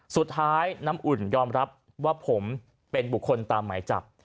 สุดท้ายน้ำอุ่นยอมรับว่าผมเป็นบุคคลตามหมายจับ